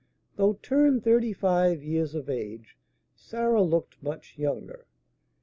Though turned thirty five years of age, Sarah looked much younger.